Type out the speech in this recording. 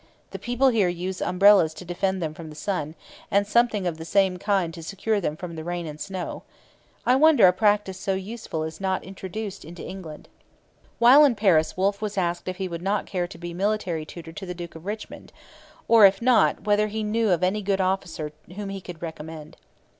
The people here use umbrellas to defend them from the sun, and something of the same kind to secure them from the rain and snow. I wonder a practice so useful is not introduced into England. While in Paris Wolfe was asked if he would care to be military tutor to the Duke of Richmond, or, if not, whether he knew of any good officer whom he could recommend.